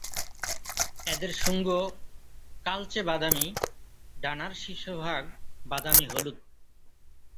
এদের শুঙ্গ কালচে বাদামী, ডানার শীর্ষভাগ বাদামী হলুদ।